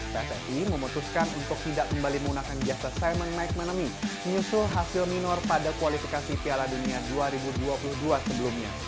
pssi memutuskan untuk tidak kembali menggunakan jasa simon mcmanamy menyusul hasil minor pada kualifikasi piala dunia dua ribu dua puluh dua sebelumnya